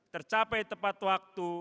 tercapai tepat waktu